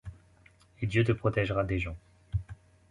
Et Dieu te protègera des gens.